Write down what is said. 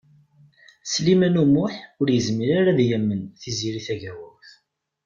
Sliman U Muḥ ur yezmir ara ad yamen Tiziri Tagawawt.